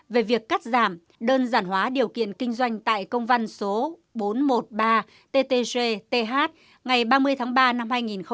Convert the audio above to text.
về việc cắt giảm đơn giản hóa điều kiện kinh doanh tại công văn số bốn trăm một mươi ba ttg th ngày ba mươi tháng ba năm hai nghìn hai mươi